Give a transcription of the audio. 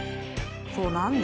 そう何で？